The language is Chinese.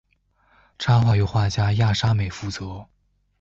插画由画家亚沙美负责。